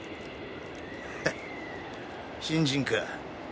ヘッ新人か。